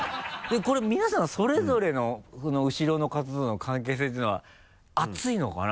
これ皆さんのそれぞれの後ろの方との関係性っていうのは熱いのかな？